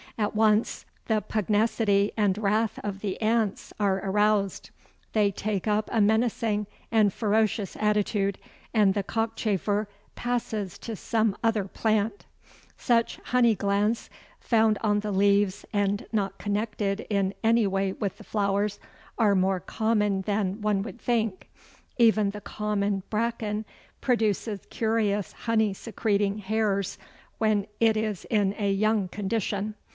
At once the pugnacity and wrath of the ants are aroused. They take up a menacing and ferocious attitude, and the cockchafer passes to some other plant. Kerner, l.c., vol. 2, fig. 264, p. 242. Such honey glands found on the leaves and not connected in any way with the flowers, are more common than one would think. Even the common Bracken produces curious honey secreting hairs when it is in a young condition.